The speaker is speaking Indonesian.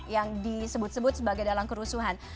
yang disebut sebut sebagai dalam kerusuhan